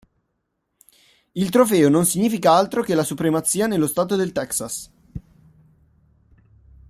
Il trofeo non significa altro che la supremazia nello Stato del Texas.